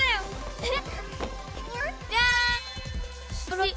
えっ！？